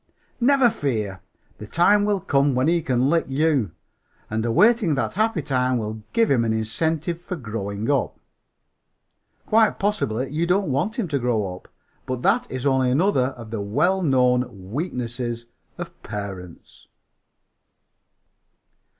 Never fear, the time will come when he can lick you; and awaiting that happy time will give him an incentive for growing up. Quite possibly you don't want him to grow up; but that is only another of the well known weaknesses of parents!"